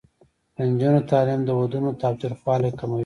د نجونو تعلیم د ودونو تاوتریخوالی کموي.